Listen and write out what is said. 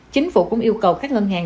chính phủ cũng yêu cầu các ngân hàng